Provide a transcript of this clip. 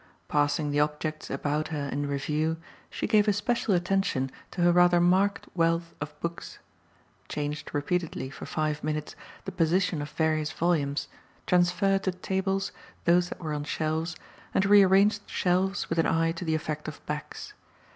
Passing the objects about her in review she gave especial attention to her rather marked wealth of books; changed repeatedly, for five minutes, the position of various volumes, transferred to tables those that were on shelves and rearranged shelves with an eye to the effect of backs.